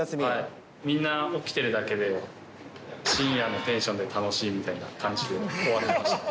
みんな起きてるだけで、深夜のテンションで楽しいみたいな感じで追われてました。